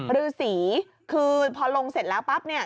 ฤษีคือพอลงเสร็จแล้วปั๊บเนี่ย